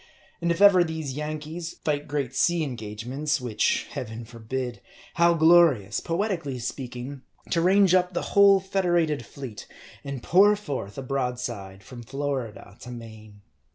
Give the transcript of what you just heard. And if ever these Yankees fight great sea engagements which Heaven forefend ! how glorious, poetically speaking, to range up the whole federated fleet, and pour forth a broadside from Florida to Maine.